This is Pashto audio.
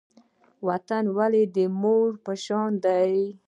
وطن ولې د مور په شان دی؟